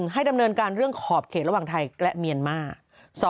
ให้ดำเนินการเรื่องขอบเขตระหว่างไทยและเมียนมาร์